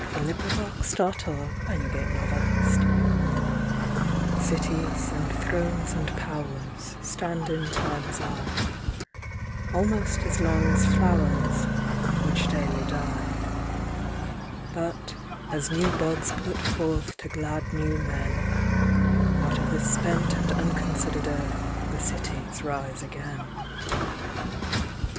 Verse: 1885–1918. 1922. "Cities and Thrones and Powers" CITIES and Thrones and Powers, Stand in Time's eye, Almost as long as flowers, Which daily die:But, as new buds put forthTo glad new men, Out of the spent and unconsidered Earth, The Cities rise again.